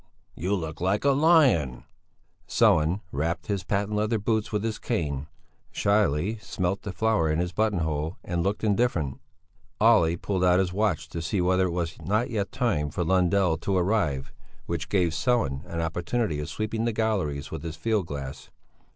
You look like a lion." Sellén rapped his patent leather boots with his cane, shyly smelt the flower in his buttonhole, and looked indifferent. Olle pulled out his watch to see whether it was not yet time for Lundell to arrive, which gave Sellén an opportunity of sweeping the galleries with his field glass.